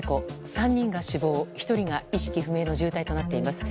３人が死亡、１人が意識不明の重体となっています。